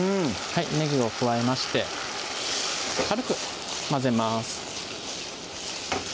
ねぎを加えまして軽く混ぜます